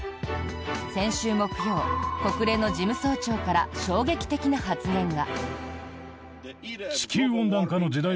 先週木曜、国連の事務総長から衝撃的な発言が。